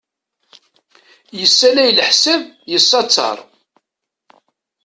Yessalay leḥsab yessattar.